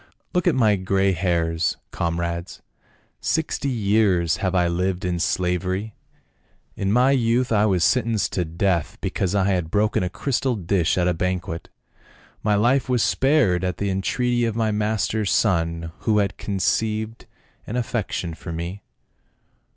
" Look at my grey hairs, comrades, sixty years have I lived in slavery ; in my youth I was sentenced to death because I had broken a cr^ stal dish at a banquet, my life was spared at the entreaty of my master's son, who had conceived an affection for me.